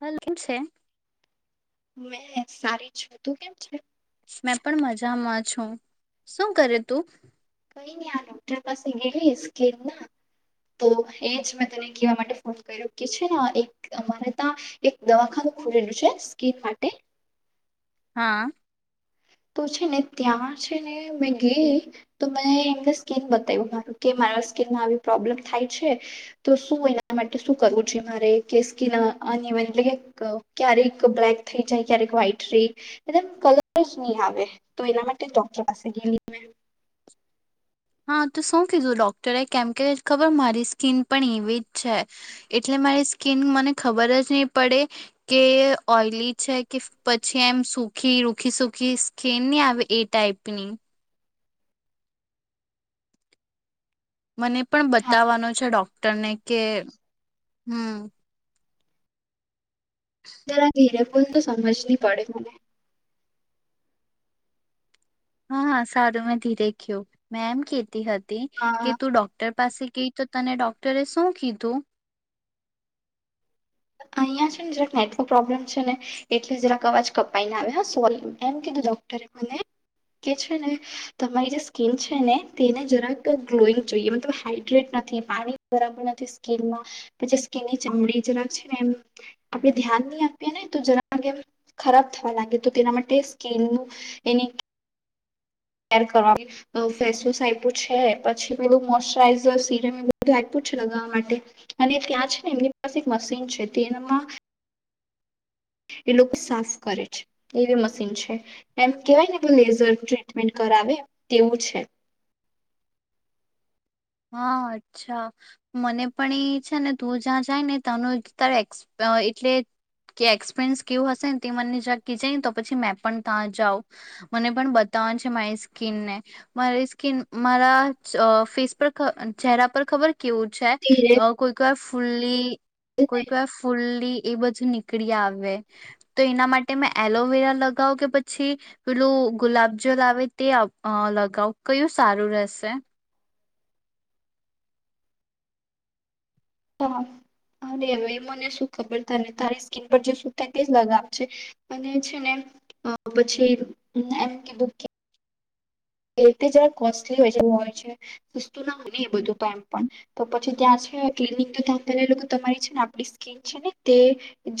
Hello કેમ છે. મેં સારી છું તું કેમ છે. મેં પણ મજામાં છું શું કરે તું કઈ નને આ ડોક્ટર પાસે ગયલી સ્કીન ના તો એજ મેં તને કહેવા માટે ફોન કર્યો કે છે ને એક અમારે ત્યાં એક દવાખાનું ખુલેલું છે સ્કીન માટે હા તો છે ને ત્યાં છે ને મેં ગઈ તો મેં એમને સ્કીન બતાવ્યું મારું કે મારા સ્કીનમાં આવી પ્રોબ્લેમ થાય છે તો શું એના માટે શું કરવું જોઈ મારે કે સ્કીન એટલે કે ક્યારેક બ્લેક થઈ જાય ક્યારેક વ્હાઈટ ર કલર આવે તો એના માટે ડોક્ટર પાસે ગયેલી મેં હા તો શું કીધું ડોક્ટરે કેમ કે ખબર મારી સ્કીન પણ એવી જ છે એટલે મારી સ્કીન મને ખબર જ નહી પડે કે ઓઈલી છે કે પછી એમ સુખી રૂખી સુખી સ્કીન નહી આવે એ ટાઈપની. મને પણ બતાવવાનો છે ડોક તને કે હમ્. જરા ઘેરે બૂલ તો સમજ નહી પડે મને હા હ સારું મે ધીરેખ્યું મેં એમ કેતી હતી હા કે તું ડોક્ટર પાસે કે તો તને ડોક્ટરે શું કીધું અહિયાં છે ને જરાક નેટવર્ક પ્રોબ્લેમ છે ને એટલે જરાક અવાજ કપાઈને આવે સોરી એમ કીધું ડોક્ટરે મને કે છે ને તમારી જે સ્કીન છે ને તેને જરાક ગ્લોઈંગ જોઈએ મતલબ હાડ્રેટ નથી પાણી બરાબર નથી સ્કીનમાં પછી સ્કીનની ચામડી જરાક છે. આપણે ધ્યાન નહી આપીએ ને તો જેગેમ ખરાબ થવા લાગે તો તેના માટે સ્કીનનું એની એમ કરવાનું, ફેસસ આપ્યું છે પછી પેલું મોચરાઈઝર સિરમ એ બધું આપ્યું છે લગાવવા માટે અને ત્યાં છે ને એમની પાસે એક મશીન છે તેમાં એ લોકો સાફ કરે છે એવી મશીન છે એમ કેવાય ને લેઝર ટ્રીટમેન્ટ કરાવે તેવું છે. હા અચ્છા મને પણ એ છે ને તું જ્યાં જાય ને તનું તાર એ એટલે કે એક્સપિરિયન્સ કેવું હશે ને તે મને જરા કે જાયને તો પછી મેં પણ ત્યાં જાઉં મને પણ બતાવનું છે મારી સ્કીનને મારી સ્કીન મારા ફેસ ખ ચહેરા પર ખબર કેવું છે ધીરે અ કોઈ કો ફુલ્લી કોઈ કયા ફુલ્લી એ બજુ નીકળી આવે તો એના માટે મે એલોવેરા લગાવુ કે પછી પેલું ગુલાબજલ આવે તે અ લગાવુ કયું સારું રહેશે હા અરે હવે મને શું ખબર તને તારી સ્કીન પર જે સુટ થાય તે જ લગાવજે અને છે ને પછી એમ કીધું એ તે જ કોસ્ટલી હોય છે હોય છે સસ્તું ના હોય ને એ બધું તો એમ પણ તો પછી ત્યાં છે ક્લિનિક તો ત્યાં પહેલા એ લોકો તમારી છે ને આપણી સ્કીિન છે ને તે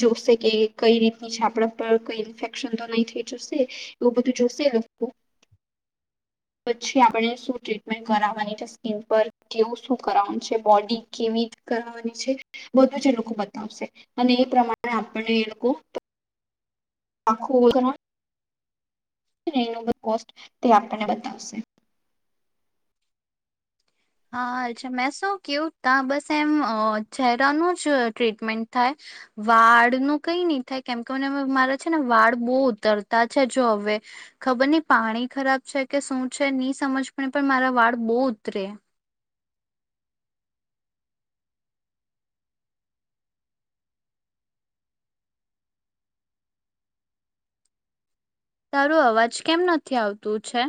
જોશે કે કઈ રીતની છે આપણા પર કઈ ઇન્ફેક્શન તો નહી થઈ જશે એવું બધું જોશે લોકો પછી આપણે શું ટ્રીટમેન્ટ કરાવવાની છે સ્કીિન પર કેવું શું કરવાનું છે બોડી કેવી કરની છે બધું જ એ લોકો બતાવશે અને એ પ્રમાણે આપણને એ લોકો આખું કોણ તે એનો કોસ્ટ આપણને બતાવશે હા અચ્છા મેં શું કેવું ત્યા બસ એમ અ ચહેરાનું જ ટ્રીટમેન્ટ થાય વાળ નુ કઈ ની થાય કેમ કે મને મારા છે ને વાળ બો ઉતરતા છે જો હવે ખબર ની પાણી ખરાબ છે કે શું છે ની સમજ પણ મારા વાળ બો ઉતરે તારું અવાજ કેમ નથી આવતું છે.